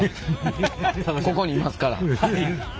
ここにいますから。